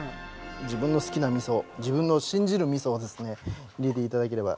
自分の好きなみそ自分の信じるみそをですね入れて頂ければ。